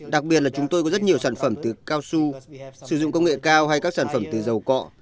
đặc biệt là chúng tôi có rất nhiều sản phẩm từ cao su sử dụng công nghệ cao hay các sản phẩm từ dầu cọ